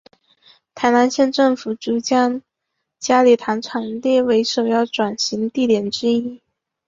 台南县政府遂将佳里糖厂列为首要转型地点之一。